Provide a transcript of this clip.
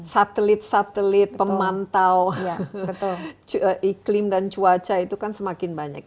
satelit satelit pemantau iklim dan cuaca itu kan semakin banyak